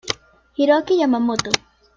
Hiroki Yamamoto